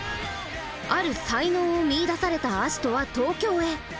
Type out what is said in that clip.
ある才能を見いだされた葦人は東京へ。